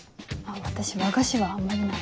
私和菓子はあんまりなんで。